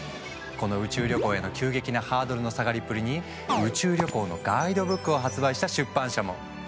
この宇宙旅行への急激なハードルの下がりっぷりに宇宙旅行のガイドブックを発売した出版社も。